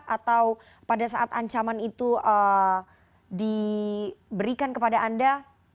atau pada saat ancaman itu diberikan kepada anda